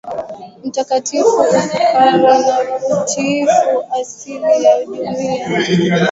mtakatifu ufukara na utiifu Asili ya jumuiya hizo iko Misri Katika karne